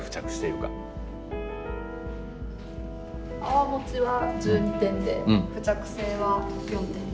泡もちは１２点で付着性は４点です。